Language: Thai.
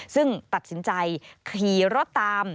ซึ่งตัดสินใจขี่รถตาม